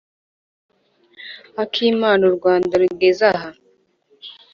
akimana u rwanda rugeze ahaga